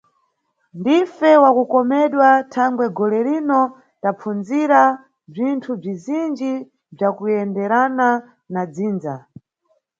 Ndife wa kukomedwa thangwe golerino tapfundzira bzinthu bzizinji bza kuyenderana na dzindza.